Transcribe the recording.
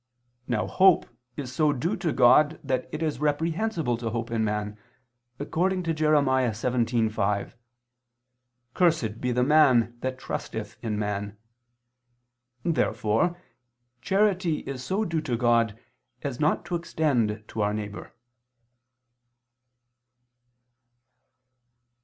Now hope is so due to God that it is reprehensible to hope in man, according to Jer. 17:5: "Cursed be the man that trusteth in man." Therefore charity is so due to God, as not to extend to our neighbor.